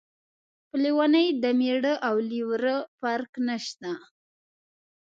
په لیونۍ د مېړه او لېوره فرق نشته.